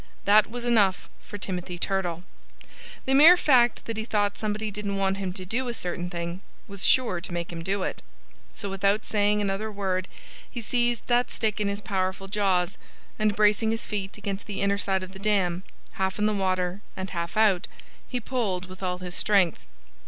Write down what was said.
That was enough for Timothy Turtle. The mere fact that he thought somebody didn't want him to do a certain thing was sure to make him do it. So without saying another word he seized that stick in his powerful jaws. And bracing his feet against the inner side of the dam, half in the water and half out, he pulled with all his strength.